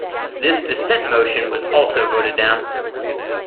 This dissent motion was also voted down.